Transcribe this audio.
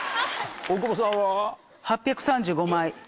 大久保さんは？